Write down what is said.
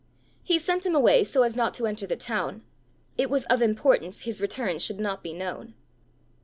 He sent him away so as not to enter the town: it was of importance his return should not be known.